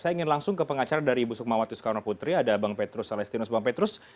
saya ingin langsung ke pengacara dari ibu sukmawati soekarno putri ada bang petrus alestinus bang petrus